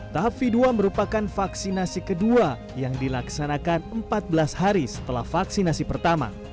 tahap v dua merupakan vaksinasi kedua yang dilaksanakan empat belas hari setelah vaksinasi pertama